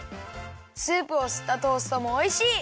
スープをすったトーストもおいしい！